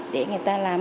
để người ta làm